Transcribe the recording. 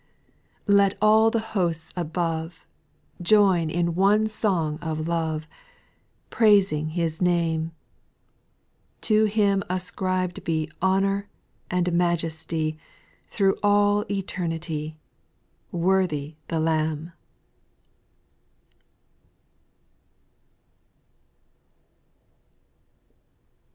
Let all the hosts above Join in one song of love, Praising His name : To Him ascribed be Honour and majesty, Through all eternity :Worthy the Lamb